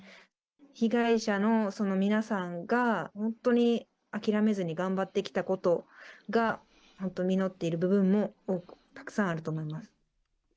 被害者の皆さんが、本当に諦めずに頑張ってきたことが、本当、実ってる部分もたくさんあると思います。